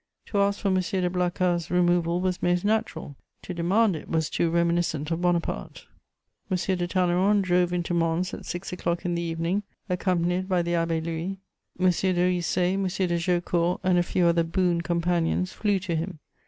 To ask for M. de Blacas' removal was most natural; to demand it was too reminiscent of Bonaparte. M. de Talleyrand drove into Mons at six o'clock in the evening, accompanied by the Abbé Louis: M. de Ricé, M. de Jaucourt and a few other boon companions flew to him.